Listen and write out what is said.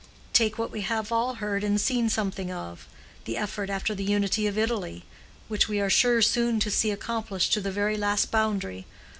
"Take what we have all heard and seen something of—the effort after the unity of Italy, which we are sure soon to see accomplished to the very last boundary.